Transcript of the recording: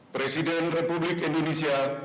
presiden republik indonesia